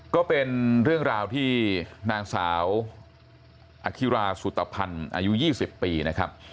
ก็เป็นเรื่องราวที่นางสาวอคิราสุตภัณฑ์อายุ๒๐ปีนะครับ